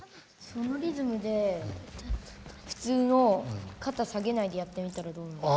そのリズムで普通の肩下げないでやってみたらどうなるか。